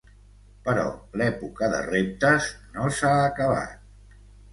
Però l'època de reptes no s'ha acabat.